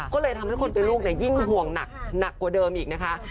ก็เลยทำให้คนเป็นลูกยิ่งห่วงหนักกว่าเดิมอีกนะคะ